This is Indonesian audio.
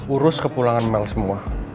urus kepulangan mel semua